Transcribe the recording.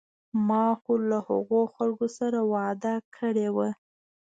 ما خو له هغو خلکو سره وعده کړې وه.